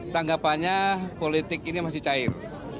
tanggapannya politik ini masih cair